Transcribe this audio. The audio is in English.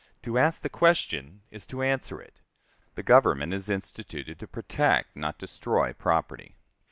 To ask the question is to answer it. The Government is instituted to protect, not to destroy, property.